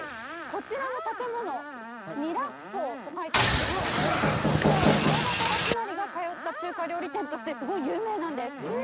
こちらの建物二楽荘と書いてあるんですけれどもこちらは川端康成が通った中華料理店としてすごい有名なんです。え！